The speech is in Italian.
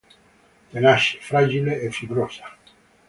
Tenace, fragile e fibrosa.